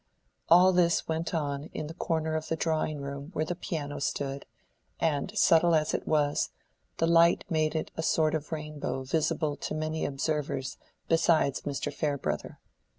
All this went on in the corner of the drawing room where the piano stood, and subtle as it was, the light made it a sort of rainbow visible to many observers besides Mr. Farebrother.